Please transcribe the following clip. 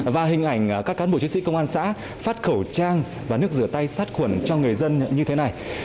và hình ảnh các cán bộ chiến sĩ công an xã phát khẩu trang và nước rửa tay sát khuẩn cho người dân như thế này